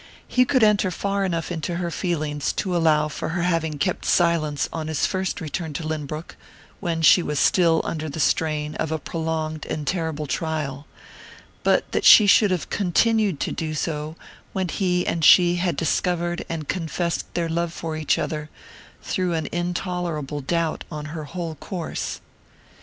He could enter far enough into her feelings to allow for her having kept silence on his first return to Lynbrook, when she was still under the strain of a prolonged and terrible trial; but that she should have continued to do so when he and she had discovered and confessed their love for each other, threw an intolerable doubt on her whole course.